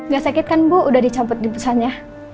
gak sakit kan bu udah dicabut di pesannya